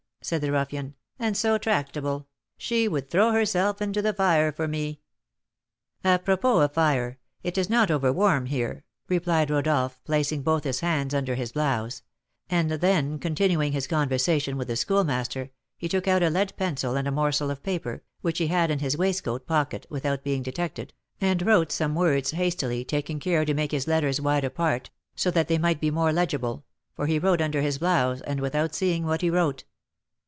said the ruffian; "and so tractable, she would throw herself into the fire for me." "Apropos of fire, it is not overwarm here," replied Rodolph, placing both his hands under his blouse; and then, continuing his conversation with the Schoolmaster, he took out a lead pencil and a morsel of paper, which he had in his waistcoat pocket, without being detected, and wrote some words hastily, taking care to make his letters wide apart, so that they might be more legible; for he wrote under his blouse, and without seeing what he wrote.